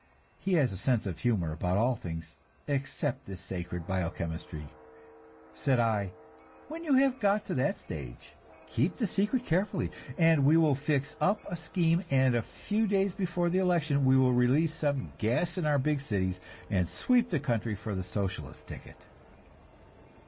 (He has a sense of humor about all things except this sacred bio chemistry.) Said I: "When you have got to that stage, keep the secret carefully, and we will fix up a scheme, and a few days before election we will release some gas in our big cities, and sweep the country for the Socialist ticket."